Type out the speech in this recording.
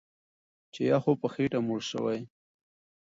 چې یا خو په خېټه موړ شوی